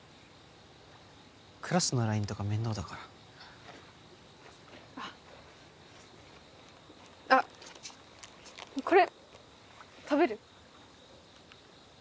クラスのＬＩＮＥとか面倒だからあああっこれ食べる？